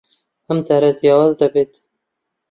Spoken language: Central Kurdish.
ئەم جارە جیاواز دەبێت.